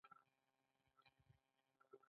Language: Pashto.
د یلدا شپه د لمر د زیږیدو جشن و